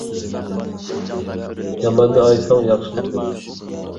ياماننى ئايىساڭ ياخشىلىق يوق.